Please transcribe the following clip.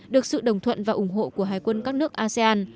được sự đồng thuận và ủng hộ của hải quân các nước asean